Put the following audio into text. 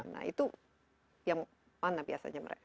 nah itu yang mana biasanya mereka